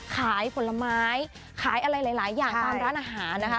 ขายผลไม้ขายอะไรหลายอย่างตามร้านอาหารนะคะ